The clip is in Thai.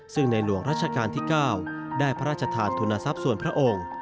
ซึ่งในหลวงรัชกาลที่๙ได้พระราชทานทุนทรัพย์ส่วนพระองค์